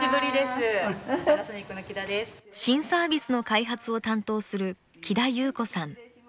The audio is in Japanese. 新サービスの開発を担当する木田祐子さん。